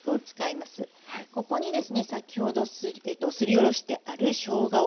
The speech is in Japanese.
ここにですね先ほどすりおろしてあるしょうがを。